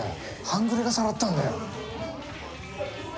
半グレがさらったんだよ。